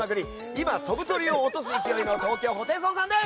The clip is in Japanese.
今、飛ぶ鳥を落とす勢いの東京ホテイソンさんです！